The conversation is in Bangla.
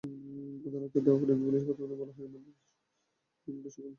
আদালতে দেওয়া ডিবি পুলিশের প্রতিবেদনে বলা হয়, রিমান্ডে শওকত মাহমুদ গুরুত্বপূর্ণ তথ্য দিয়েছেন।